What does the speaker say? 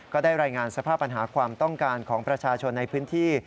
ก็ได้รายงานสภาพปัญหาความต้องการของประชาชนในพื้นที่